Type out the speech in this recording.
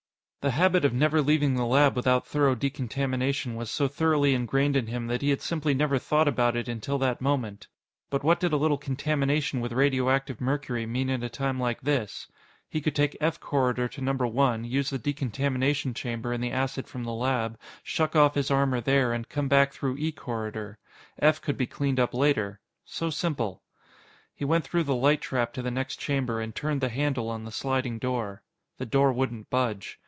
The habit of never leaving the lab without thorough decontamination was so thoroughly ingrained in him that he had simply never thought about it until that moment. But what did a little contamination with radioactive mercury mean at a time like this? He could take F corridor to Number One, use the decontamination chamber and the acid from the lab, shuck off his armor there, and come back through E corridor. F could be cleaned up later. So simple. He went through the light trap to the next chamber and turned the handle on the sliding door. The door wouldn't budge.